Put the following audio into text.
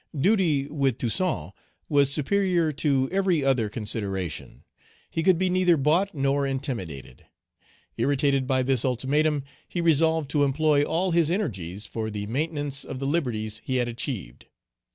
Duty with Toussaint was superior to every other consideration. He could be neither bought nor intimidated. Irritated by this ultimatum he resolved to employ all his energies for the maintenance of the liberties he had achieved.